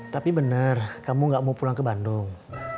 tapi benar kamu gak mau pulang ke bandung